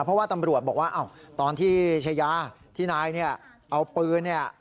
เพราะว่าตำรวจบอกว่าตอนที่ชายาที่นายเนี่ยเอาปืนเนี่ย